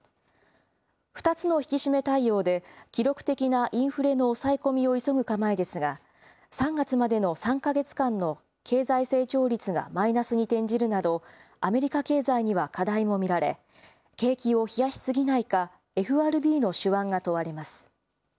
２つの引き締め対応で記録的なインフレの抑え込みを急ぐ構えですが３月までの３か月間の経済成長率がマイナスに転じるなどアメリカ経済には課題も見られ景気を冷やしすぎないかＦＲＢの手腕が問われます。